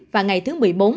và ngày thứ một mươi bốn